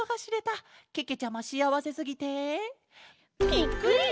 ぴっくり！